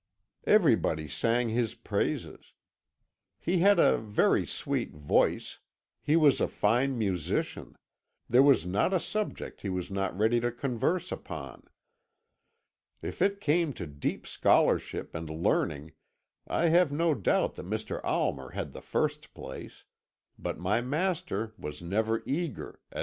Everybody sang his praises. He had a very sweet voice, he was a fine musician, there was not a subject he was not ready to converse upon. If it came to deep scholarship and learning I have no doubt that Mr. Almer held the first place, but my master was never eager, as M.